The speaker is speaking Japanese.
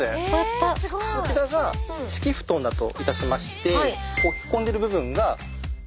こちらが敷き布団だといたしましてへこんでる部分が後頭部。